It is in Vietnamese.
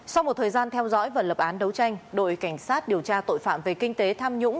sau một thời gian theo dõi và lập án đấu tranh đội cảnh sát điều tra tội phạm về kinh tế tham nhũng